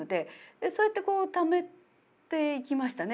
そうやってこうためていきましたね。